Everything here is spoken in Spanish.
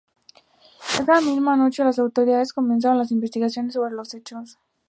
Esa misma noche las autoridades comenzaron la investigación sobre los hechos.